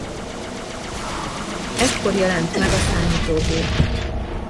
Ekkor jelent meg a számítógép.